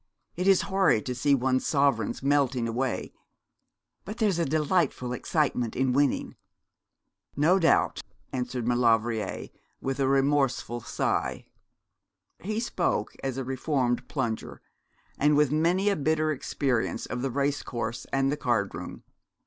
It is horrid to see one's sovereigns melting away; but there's a delightful excitement in winning.' 'No doubt,' answered Maulevrier, with a remorseful sigh. He spoke as a reformed plunger, and with many a bitter experience of the race course and the card room.